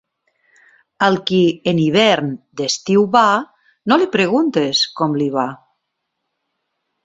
Al qui en hivern d'estiu va, no li preguntes com li va.